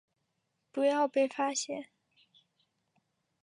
不要被发现